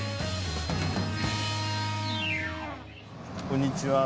こんにちは。